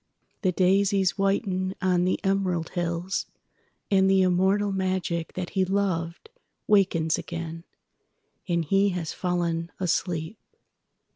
The daisies whiten on the emerald hills, And the immortal magic that he lovedWakens again—and he has fallen asleep."